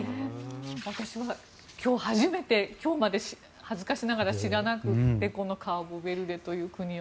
私、今日初めて今日まで恥ずかしながら知らなくてこのカボベルデという国を。